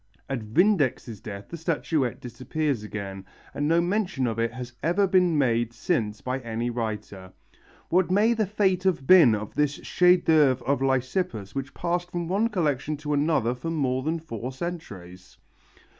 At Vindex's death the statuette disappears again, and no mention of it has ever been made since by any writer. What may the fate have been of this chef d'œuvre of Lysippus which passed from one collection to another for more than four centuries?